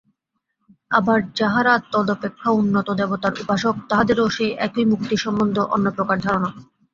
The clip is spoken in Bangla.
আবার যাহারা তদপেক্ষা উন্নত দেবতার উপাসক, তাহাদেরও সেই একই মুক্তির সম্বন্ধে অন্যপ্রকার ধারণা।